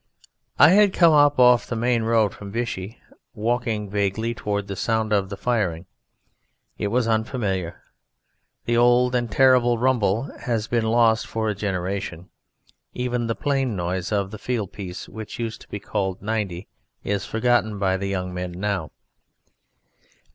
I had come up off the main road from Vichy, walking vaguely towards the sound of the firing. It was unfamiliar. The old and terrible rumble has been lost for a generation; even the plain noise of the field piece which used to be called "90" is forgotten by the young men now.